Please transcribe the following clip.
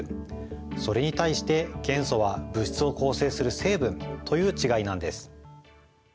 それに対して元素は物質を構成する成分という違いなんです。